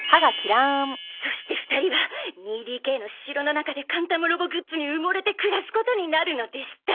「そして２人は２ＤＫの城の中でカンタムロボグッズに埋もれて暮らすことになるのでした」